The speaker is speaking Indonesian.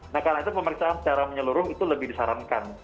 nah karena itu pemeriksaan secara menyeluruh itu lebih disarankan